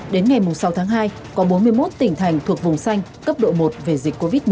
đến ngày sáu tháng hai có bốn mươi một tỉnh thành thuộc vùng xanh cấp độ một về dịch covid một mươi chín